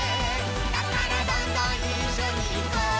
「だからどんどんいっしょにいこう」